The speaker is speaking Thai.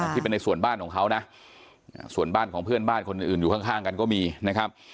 ที่เป็นในส่วนบ้านของเขานะส่วนบ้านของเพื่อนบ้านคนอื่นอยู่ข้างกันก็มีนะครับ